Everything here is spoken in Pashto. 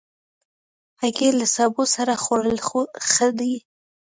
هګۍ له سبو سره خوړل ښه دي.